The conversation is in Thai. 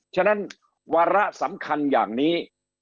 ฉะนั้นวาระสำคัญอย่างนี้